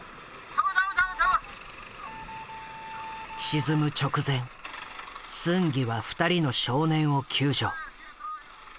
沈む直前スンギは２人の少年を救助。